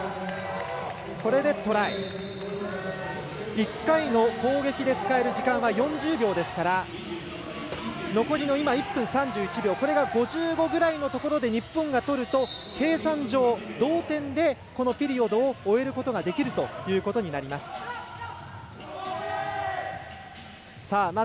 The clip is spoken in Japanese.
１回の攻撃で使える時間は４０秒ですから残りの１分３１秒これが５５秒ぐらいのところで日本が取ると計算上、同点でこのピリオドを終えることができるということになります。